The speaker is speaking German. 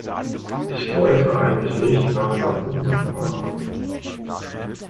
Ich wollte eigentlich nicht nach Saarbrücken fahren